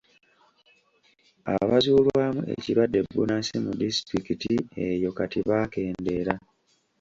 Abazuulwamu ekirwadde bbunansi mu disitulikiti eyo kati baakendeera.